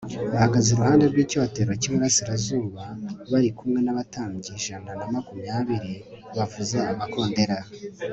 bahagaze iruhande rw'icyotero rw'iburasirazuba bari kumwe n'abatambyi ijana na makumyabiri bavuza amakondera